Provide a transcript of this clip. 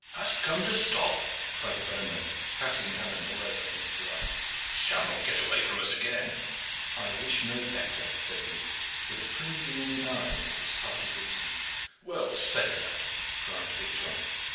"Hast come to stop?" cried the bowman, patting Alleyne all over in his delight. "Shall not get away from us again!" "I wish no better," said he, with a pringling in the eyes at this hearty greeting. "Well said, lad!" cried big John.